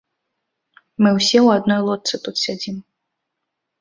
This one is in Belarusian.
Мы ўсе ў адной лодцы тут сядзім.